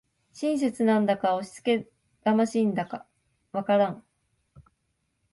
親切なんだか押しつけがましいんだかわからん